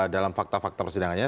dalam fakta fakta persidangannya